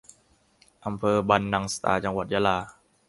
อำเภอบันนังสตา จังหวัดยะลา